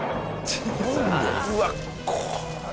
うわっこれ。